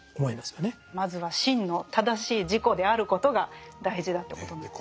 まずは真の正しい自己であることが大事だということなんですよね。